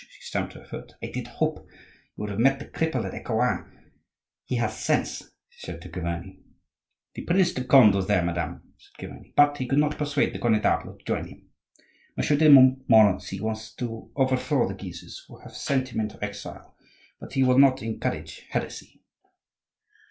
She stamped her foot. "I did hope you would have met the cripple at Ecouen—he has sense," she said to Chiverni. "The Prince de Conde was there, madame," said Chiverni, "but he could not persuade the Connetable to join him. Monsieur de Montmorency wants to overthrow the Guises, who have sent him into exile, but he will not encourage heresy."